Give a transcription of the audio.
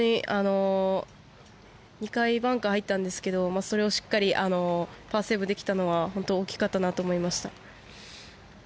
２回バンカー入ったんですがそれをしっかりパーセーブできたのは本当に大きかったなと思いました。